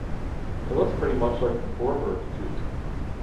It looks pretty much like the Bourbourg chook.